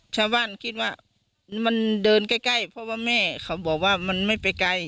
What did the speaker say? ชาวบ้านคิดว่ามันเดินใกล้เพราะว่าแม่เขาบอกว่ามันไม่ไปไกล